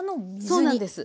そうなんです。